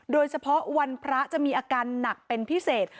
โดยเฉพาะวันพระจะมีอาการหนักเป็นพิเศษ